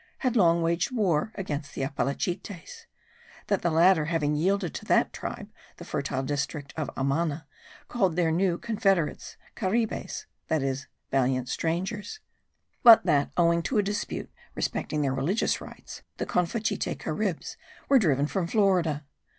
had long waged war against the Apalachites; that the latter, having yielded to that tribe the fertile district of Amana, called their new confederates Caribes (that is, valiant strangers); but that, owing to a dispute respecting their religious rites, the Confachite Caribs were driven from Florida.